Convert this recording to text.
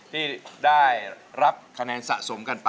ที่ได้รับคะแนนสะสมกันไป